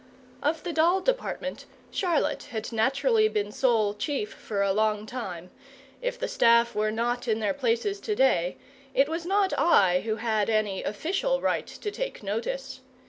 Of the doll department Charlotte had naturally been sole chief for a long time; if the staff were not in their places to day, it was not I who had any official right to take notice.